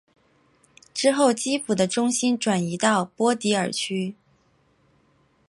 之后基辅的中心转移到波迪尔区。